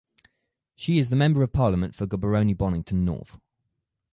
She is the Member of Parliament for Gaborone Bonnington North.